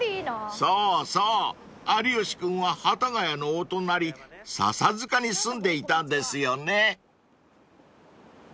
［そうそう有吉君は幡ヶ谷のお隣笹塚に住んでいたんですよね］